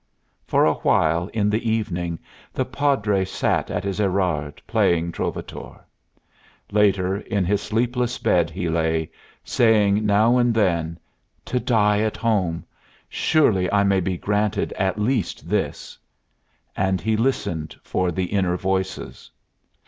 For a while in the evening the Padre sat at his Erard playing Trovatore. Later, in his sleepless bed he lay, saying now and then: "To die at home! Surely I may be granted at least this." And he listened for the inner voices.